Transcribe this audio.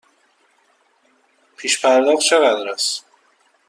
پیش پرداخت چقدر است؟